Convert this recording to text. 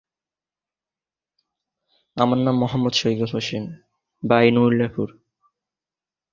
লক্ষণগুলি সময়ের সাথে সাথে আরও ক্ষতিকর হয়ে উঠে।